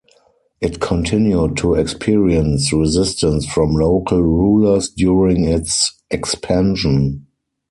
It continued to experience resistance from local rulers during its expansion.